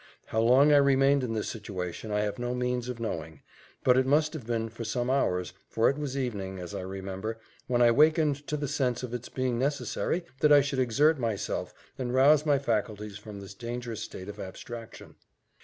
How long I remained in this situation I have no means of knowing, but it must have been for some hours, for it was evening, as I remember, when I wakened to the sense of its being necessary that I should exert myself, and rouse my faculties from this dangerous state of abstraction.